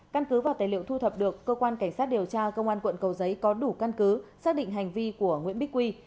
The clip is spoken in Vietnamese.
căn cứ vào tài liệu thu thập được cơ quan cảnh sát điều tra công an quận cầu giấy có đủ căn cứ xác định hành vi của nguyễn bích quy